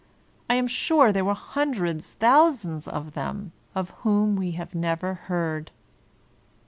I am sure there were hundreds, thousands of them, of whom we have never heard.